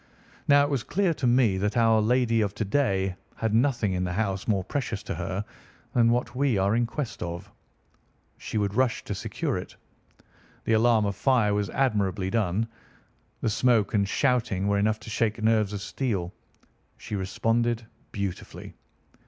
Now it was clear to me that our lady of to day had nothing in the house more precious to her than what we are in quest of. She would rush to secure it. The alarm of fire was admirably done. The smoke and shouting were enough to shake nerves of steel. She responded beautifully.